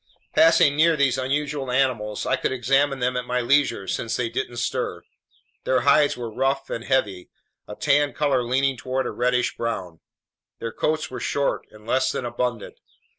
Passing near these unusual animals, I could examine them at my leisure since they didn't stir. Their hides were rough and heavy, a tan color leaning toward a reddish brown; their coats were short and less than abundant.